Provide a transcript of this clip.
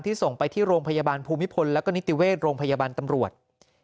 ส่งไปที่โรงพยาบาลภูมิพลแล้วก็นิติเวชโรงพยาบาลตำรวจ